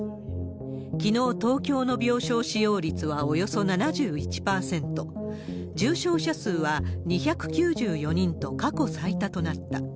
きのう、東京の病床使用率はおよそ７１％、重症者数は２９４人と過去最多となった。